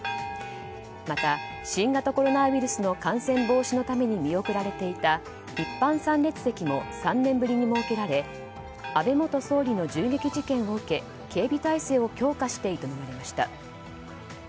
また、新型コロナウイルスの感染防止のために見送られていた一般参列席も３年ぶりに設けられ安倍元総理の銃撃事件を受け警備体制を強化して営まれました。